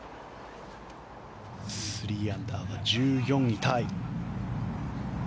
３アンダーが１４位タイ。